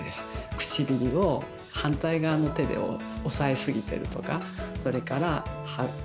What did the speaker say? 唇を反対側の手で押さえすぎてるとかそれから歯ブラシが痛いとかね。